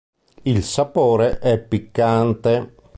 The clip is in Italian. Il sapore è piccante.